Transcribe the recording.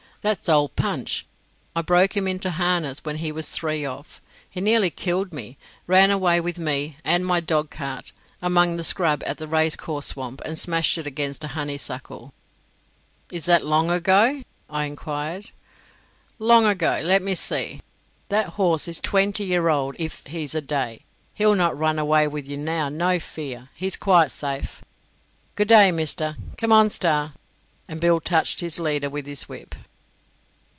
That's old Punch. I broke him into harness when he was three off. He nearly killed me; ran away with me and my dog cart among the scrub at the racecourse swamp, and smashed it against a honeysuckle." "Is that long ago?" I enquired. "Long ago? Let me see. That horse is twenty year old if he's a day. He'll not run away with you now; no fear; he's quite safe. Good day, Mister. Come on, Star;" and Bill touched his leader with his whip.